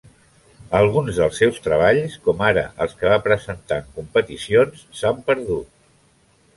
Alguns dels seus treballs, com ara els que va presentar en competicions s'han perdut.